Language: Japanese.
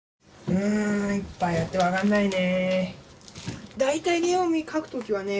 うんいっぱいあって分かんないね。